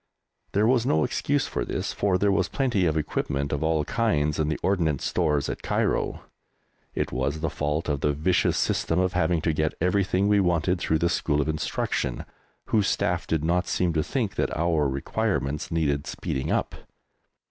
There was no excuse for this, for there was plenty of equipment of all kinds in the Ordnance Stores at Cairo. It was the fault of the vicious system of having to get everything we wanted through the School of Instruction, whose staff did not seem to think that our requirements needed speeding up.